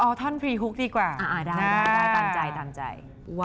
เอาท่อนพรีฮุกดีกว่าได้ตามใจตามใจ